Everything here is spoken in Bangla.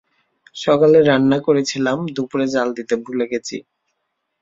সকালে রান্না করেছিলাম, দুপুরে জ্বাল দিতে ভুলে গেচি।